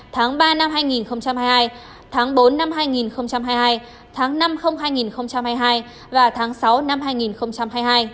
tháng ba năm hai nghìn hai mươi hai tháng bốn năm hai nghìn hai mươi hai tháng năm năm hai nghìn hai mươi hai và tháng sáu năm hai nghìn hai mươi hai